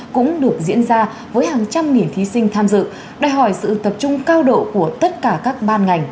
cũng được diễn ra với hàng trăm nghìn thí sinh tham dự đòi hỏi sự tập trung cao độ của tất cả các ban ngành